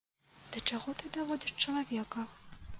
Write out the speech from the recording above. Да чаго ж ты даводзіш чалавека!